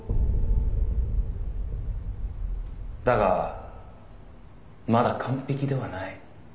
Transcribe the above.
「だがまだ完璧ではない」